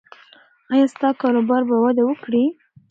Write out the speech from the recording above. ایا ستا کاروبار به وده وکړي؟